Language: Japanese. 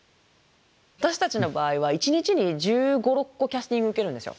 私たちの場合は一日に１５１６個キャスティング受けるんですよ。